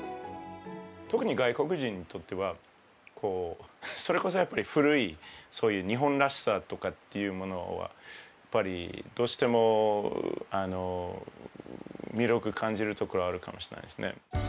特に外国人にとっては、それこそやっぱり、古い、そういう日本らしさとかっていうものは、やっぱりどうしても魅力を感じるところがあるかもしれないですね。